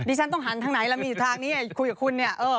นี่ฉันต้องหันทางไหนละมีทางนี้คุยกับคุณเนี่ย